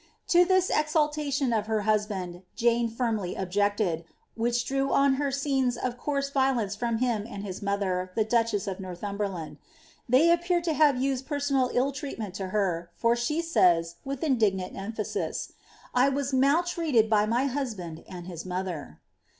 *'' To tUi exaltation of her husband Jane firmly objected, which draw oo her scenes of coarse violence from him and his mother, 'the duchess of iVorthumberiand. They appear to have used penonal ill trealmeBt to her, for she says, with indignant emphasis, ^ I was wutUreaUd by By husband and his mother."